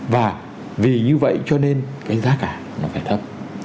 và vì như vậy cho nên cái giá cả nó phải thấp